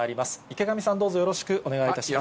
池上さん、どうぞよろしくお願いいたします。